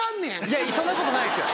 いやそんなことないですよ